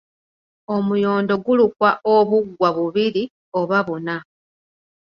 Omuyondo gulukwa obugwa bubiri oba buna.